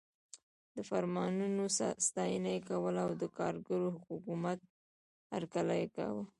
د فرمانونو ستاینه یې کوله او د کارګرو حکومت هرکلی یې کاوه.